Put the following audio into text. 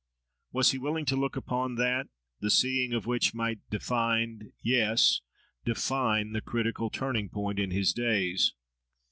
Was he willing to look upon that, the seeing of which might define—yes! define the critical turning point in his days?